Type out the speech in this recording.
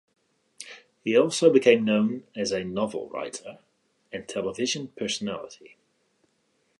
He also became known as a novel-writer and television personality.